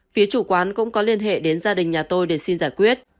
phía chủ quán cũng có liên hệ đến gia đình nhà tôi để xin giải quyết